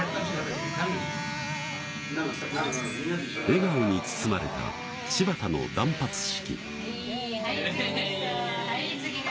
笑顔に包まれた柴田の断髪式。